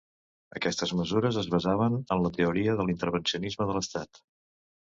Aquestes mesures es basaven en la teoria de l'intervencionisme de l'estat.